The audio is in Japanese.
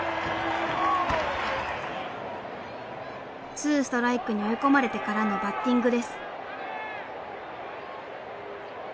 ツーストライクに追い込まれてからのバッティングです。